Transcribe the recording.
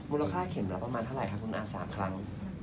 มูลค่าเข็มมาประมาณเท่าไหร่คะคุณอาจ๓ครั้ง